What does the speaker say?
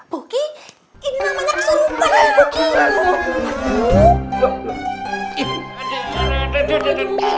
poki ini namanya kesukaan poki